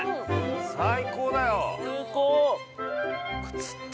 最高だよ！